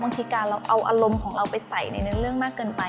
บางทีการเราเอาอารมณ์ของเราไปใส่ในเนื้อเรื่องมากเกินไป